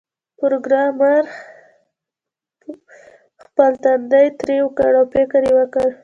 پروګرامر خپل تندی ترېو کړ او فکر یې وکړ